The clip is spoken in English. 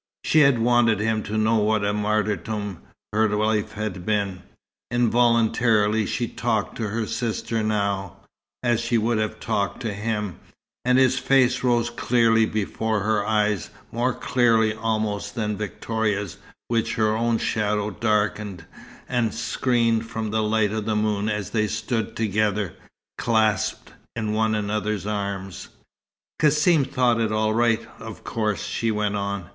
She had wanted him to know what a martyrdom her life had been. Involuntarily she talked to her sister, now, as she would have talked to him, and his face rose clearly before her eyes, more clearly almost than Victoria's, which her own shadow darkened, and screened from the light of the moon as they stood together, clasped in one another's arms. "Cassim thought it all right, of course," she went on.